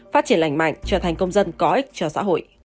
phát triển lành mạnh trở thành công dân có ích cho xã hội